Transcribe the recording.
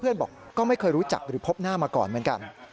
บอกก็ไม่เคยรู้จักหรือพบหน้ามาก่อนเหมือนกัน